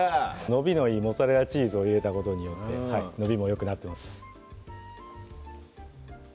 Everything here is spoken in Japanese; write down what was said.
伸びのいいモッツァレラチーズを入れたことによって伸びもよくなってます